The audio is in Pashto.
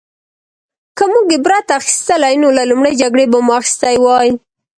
که موږ عبرت اخیستلی نو له لومړۍ جګړې به مو اخیستی وای